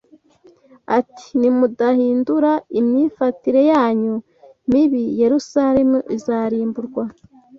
ati ‘nimudahindura imyifatire yanyu mibi Yerusalemu izarimburwa